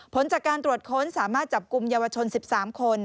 ผลจากการตรวจค้นสามารถจับกลุ่มเยาวชน๑๓คน